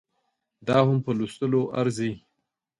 دا هم په لوستلو ارزي